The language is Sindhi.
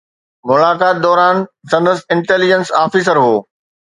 ملاقات دوران سندس انٽيليجنس آفيسر هو